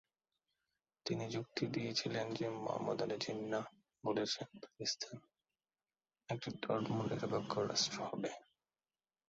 তিনি যুক্তি দিয়েছিলেন যে মুহাম্মদ আলী জিন্নাহ বলেছেন পাকিস্তান একটি ধর্মনিরপেক্ষ রাষ্ট্র হবে।